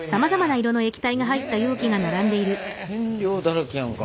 染料だらけやんか。